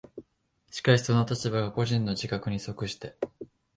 しかしその立場が個人の自覚に即して